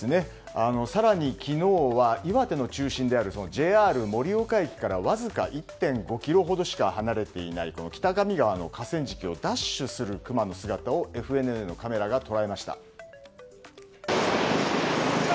更に昨日は岩手の中心であるＪＲ盛岡駅からわずか１．５ｋｍほどしか離れていない北上川の河川敷をダッシュするクマの姿をＦＮＮのカメラが捉えました。